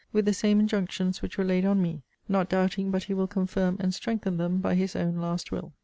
with the same injunctions which were laid on me; not doubting but he will confirm and strengthen them by his own last will.